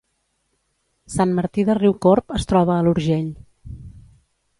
Sant Martí de Riucorb es troba a l’Urgell